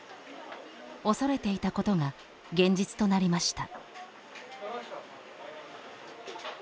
恐れていたことが現実となりました。